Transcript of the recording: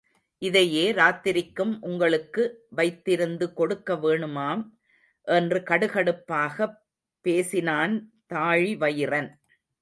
இதையே ராத்திரிக்கும் உங்களுக்கு வைத்திருந்து கொடுக்க வேணுமாம், என்று கடுகடுப்பாகப் பேசினான் தாழிவயிறன்.